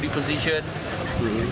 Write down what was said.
dan posisi badan